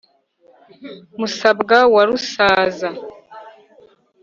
musabwa wa rusaza.